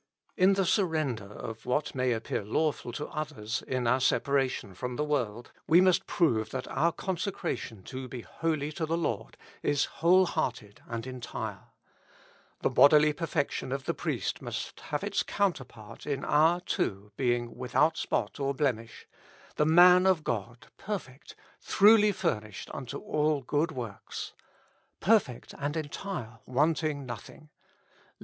In the surrender of what may appear lawful to others in our separation from the world, we must prove that our consecration to be holy to the Lord is whole hearted and entire. The bodily perfection of 246 With Christ in the School of Prayer. the priest must have its counterpart in our too being " without spot or blemish; "" the man of God per fect, throughly furnished unto all good works," " perfect and entire, wanting nothing" (Lev.